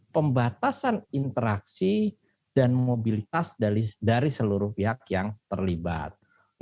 pembatasan interaksi dan mobilitas dari seluruh pihak yang berada di dalam protokol kesehatan